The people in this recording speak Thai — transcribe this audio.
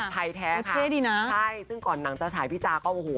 เป็นแบบไทยแท้ค่ะใช่ซึ่งก่อนหนังจะฉายพี่จาก็โอ้โห